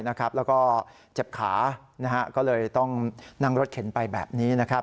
แล้วก็เจ็บขาก็เลยต้องนั่งรถเข็นไปแบบนี้นะครับ